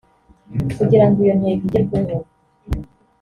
Kugira ngo iyo ntego igerweho